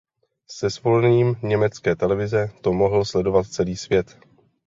Se svolením německé televize to mohl sledovat celý svět.